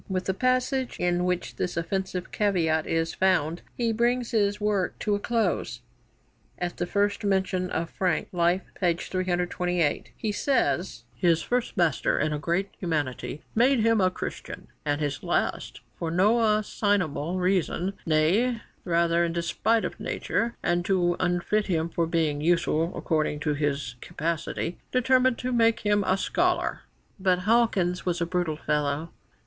With the passage in which this offensive caveat is found he brings his work to a close. At the first mention of Frank (Life, p. 328) he says: 'His first master had in great humanity made him a Christian, and his last for no assignable reason, nay rather in despite of nature, and to unfit him for being useful according to his capacity, determined to make him a scholar.' But Hawkins was a brutal fellow.